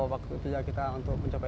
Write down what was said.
waktu itu ya kita untuk mencoba